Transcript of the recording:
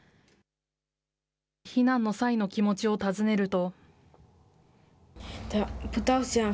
避難の際の気持ちを尋ねると。